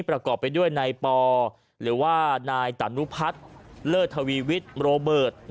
ประกอบไปด้วยไนปวร์หรือว่านายตานุพัฒน์เลอธวีวิสโมโลเบิร์ต